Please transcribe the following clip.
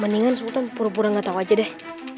mendingan sultan pura pura enggak tahu aja deh